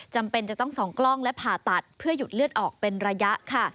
จำเป็นจะต้องส่องกล้องและผ่าตัดเพื่อหยุดเลือดออกเป็นระยะค่ะ